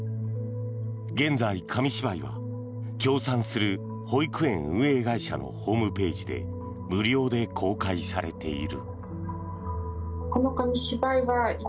現在、紙芝居は協賛する保育園運営会社のホームページで無料で公開されている。